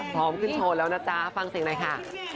พร้อมขึ้นโชว์แล้วนะจ๊ะฟังเสียงหน่อยค่ะ